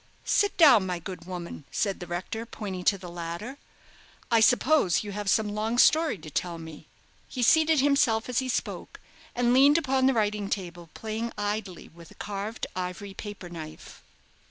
"Sit down, my good woman," said the rector, pointing to the latter; "I suppose you have some long story to tell me." He seated himself as he spoke, and leaned upon the writing table, playing idly with a carved ivory paper knife.